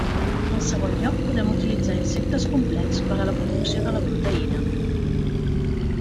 En segon lloc podem utilitzar insectes complets per a la producció de la proteïna.